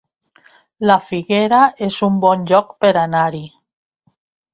La Figuera es un bon lloc per anar-hi